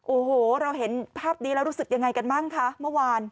โอ้โหเราเห็นภาพนี้แล้วรู้สึกยังไงกันบ้างคะเมื่อวาน